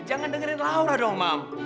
jangan dengerin laura dong mam